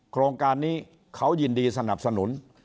โครงการนี้เขายินดีสนับสนุน